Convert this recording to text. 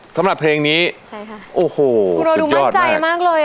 ครับผม